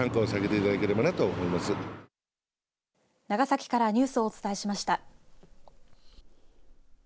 長崎からニュースをお伝えしました。